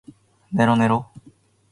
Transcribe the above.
頭が痛いときは寝るのが一番。